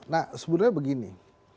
nah sebetulnya begini